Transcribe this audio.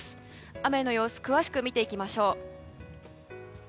雨の様子詳しく見ていきましょう。